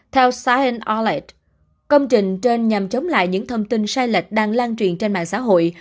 theo sahel công trình trên nhằm chống lại những thông tin sai lệch đang lan truyền trên mạng xã hội